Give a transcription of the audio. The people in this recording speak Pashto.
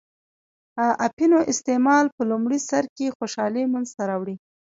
اپینو استعمال په لومړی سر کې خوشحالي منځته راوړي.